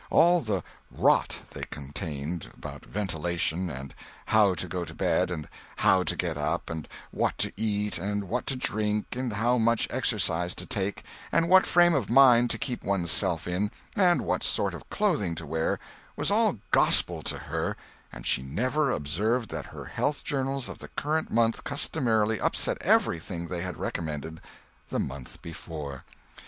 All the "rot" they contained about ventilation, and how to go to bed, and how to get up, and what to eat, and what to drink, and how much exercise to take, and what frame of mind to keep one's self in, and what sort of clothing to wear, was all gospel to her, and she never observed that her health journals of the current month customarily upset everything they had recommended the month before.